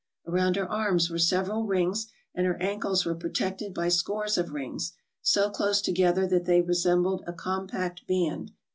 Around her arms were several rings, and her ankles were protected by scores of rings, so close to gether that they resembled a compact band.